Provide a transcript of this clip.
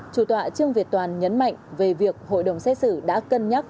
chủ tọa trương việt toàn nhấn mạnh về việc hội đồng xét xử đã cân nhắc